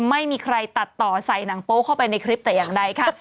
ไม่มีใครตัดต่อใส่หนังโป๊เข้าไปในคลิปแต่อย่างใดค่ะ